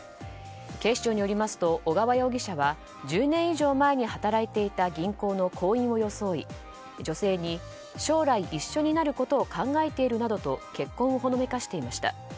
警視庁によりますと小川容疑者は１０年以上前に働いていた銀行の行員を装い女性に将来一緒になることを考えているなどと結婚をほのめかしていました。